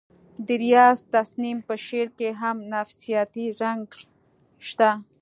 د ریاض تسنیم په شعر کې هم نفسیاتي رنګ شته